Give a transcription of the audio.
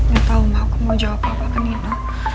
gak tau ma aku mau jawab apa ke nino